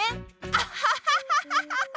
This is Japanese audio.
アハハハハハハ！